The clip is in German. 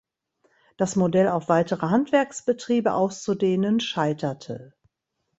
Das Modell auf weitere Handwerksbetriebe auszudehnen scheiterte.